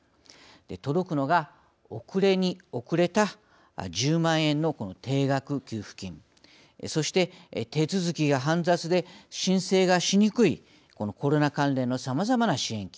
届くのが、遅れに遅れた１０万円のこの定額給付金そして手続きが煩雑で、申請がしにくいコロナ関連のさまざまな支援金。